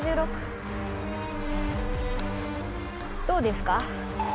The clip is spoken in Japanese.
どうですか？